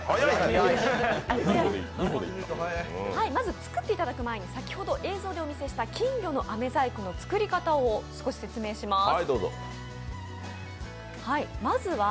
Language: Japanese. まず作っていただく前に先ほど映像でお見せした金魚の飴細工の作り方を少し説明します。